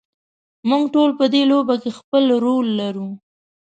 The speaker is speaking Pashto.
موږ ټول په دې لوبه کې خپل رول لرو.